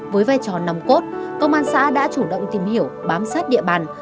với vai trò nằm cốt công an xã đã chủ động tìm hiểu bám sát địa bàn